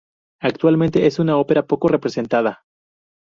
Actualmente, es una ópera poco representada.